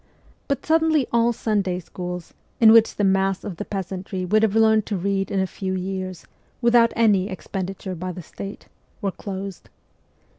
But THE CORPS OF PAGES 175 suddenly all Sunday schools, in which the mass of the peasantry would have learned to read in a few years, without any expenditure by the State, were closed.